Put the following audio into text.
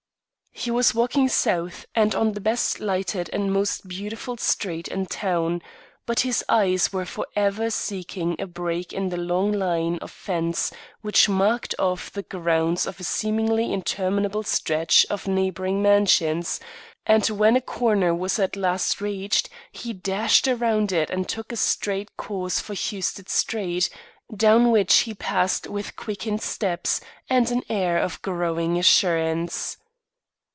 He was walking south and on the best lighted and most beautiful street in town, but his eyes were forever seeking a break in the long line of fence which marked off the grounds of a seemingly interminable stretch of neighbouring mansions, and when a corner was at last reached, he dashed around it and took a straight course for Huested Street, down which he passed with quickened steps and an air of growing assurance.